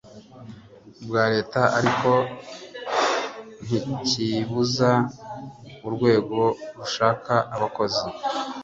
bwa Leta ariko ntikibuza urwego rushaka abakozi